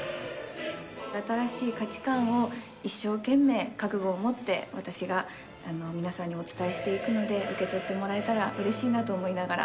新しい価値観を一生懸命、覚悟を持って、私が皆さんにお伝えしていくので、受け取ってもらえたらうれしいなと思いながら。